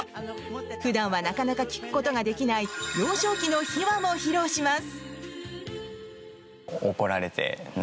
普段はなかなか聞くことができない幼少期の秘話も披露します。